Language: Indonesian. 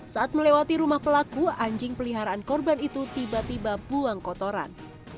saat melewati rumah pelaku anjing peliharaan korban itu tiba tiba buang kotoran